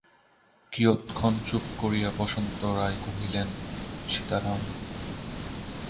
কিয়ৎক্ষণ চুপ করিয়া বসন্ত রায় কহিলেন, সীতারাম!